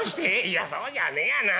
「いやそうじゃねえがな。